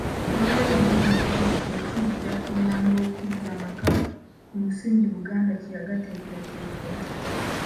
Kyewalabye annyonnyodde nti, kino kijja kuyamba okuzza amaka ku musingi Buganda kwe yagateekerateekera.